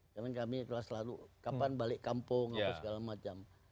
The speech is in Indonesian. karena kami selalu kapan balik kampung segala macam